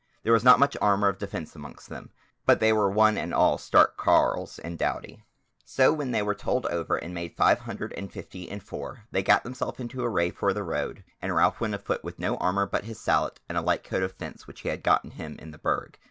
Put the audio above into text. There was not much armour of defence amongst them, but they were one and all stark carles and doughty. So when they were told over and made five hundred and fifty and four, they gat them into array for the road; and Ralph went afoot with no armour but his sallet, and a light coat of fence which he had gotten him in the Burg.